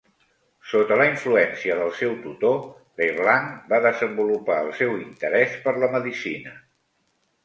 Sota la influència del seu tutor, Leblanc va desenvolupar el seu interès per la medicina.